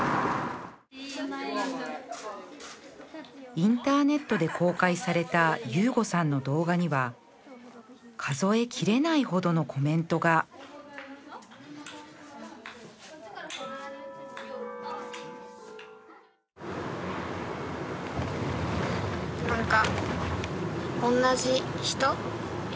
インターネットで公開された悠悟さんの動画には数えきれないほどのコメントがなんか。